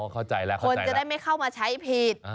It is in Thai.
เข้าใจแล้วคนจะได้ไม่เข้ามาใช้ผิด